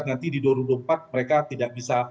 nanti di dua ribu empat mereka tidak bisa